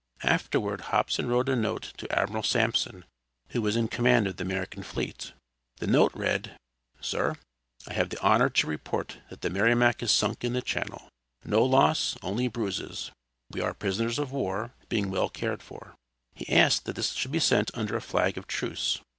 Afterward Hobson wrote a note to Admiral Sampson, who was in command of the American fleet. The note read: "Sir: I have the honor to report that the Merrimac is sunk in the channel. No loss, only bruises. We are prisoners of war, being well cared for." He asked that this should be sent under a flag of truce.